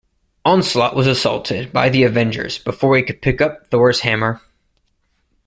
Onslaught was assaulted by the Avengers before he could pick up Thor's hammer.